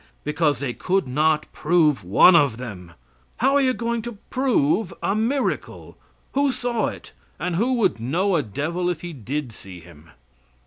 Because they could not prove one of them. How are you going to prove a miracle? Who saw it, and who would know a devil if he did see him?